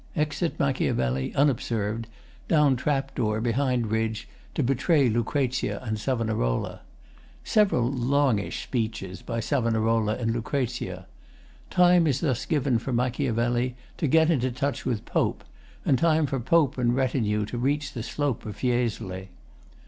Exit MACH., unobserved, down trap door behind ridge, to betray LUC. and SAV. Several longish speeches by SAV. and LUC. Time is thus given for MACH. to get into touch with POPE, and time for POPE and retinue to reach the slope of Fiesole.